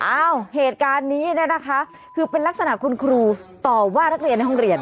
เอ้าเหตุการณ์นี้เนี่ยนะคะคือเป็นลักษณะคุณครูต่อว่านักเรียนในห้องเรียน